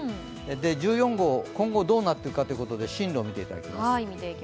１４号、今後どうなっていくか、進路を見ていただきます。